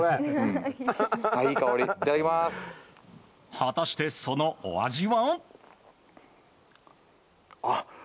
果たして、そのお味は。